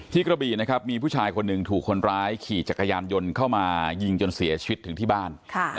กระบีนะครับมีผู้ชายคนหนึ่งถูกคนร้ายขี่จักรยานยนต์เข้ามายิงจนเสียชีวิตถึงที่บ้าน